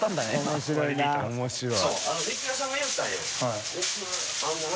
面白いな。